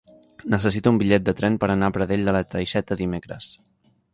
Necessito un bitllet de tren per anar a Pradell de la Teixeta dimecres.